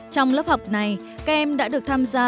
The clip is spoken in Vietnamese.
trong lớp học này các em đã được tham gia